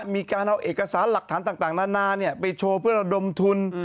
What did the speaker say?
มีการเอาเอกสารหลักฐานต่างนานาไปโชว์เพื่อระดมทุน